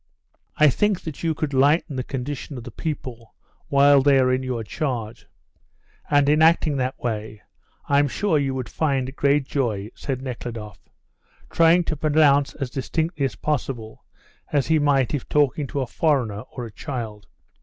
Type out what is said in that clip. "I think that you could lighten the condition of the people while they are in your charge. And in acting that way I am sure you would find great joy!" said Nekhludoff, trying to pronounce as distinctly as possible, as he might if talking to a foreigner or a child.